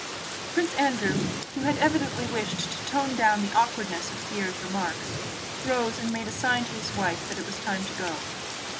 Prince Andrew, who had evidently wished to tone down the awkwardness of Pierre's remarks, rose and made a sign to his wife that it was time to go.